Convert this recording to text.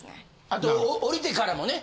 あと降りてからもね。